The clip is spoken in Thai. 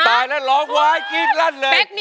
ตายแล้วล็อคไว้กี๊ดรั่นเลย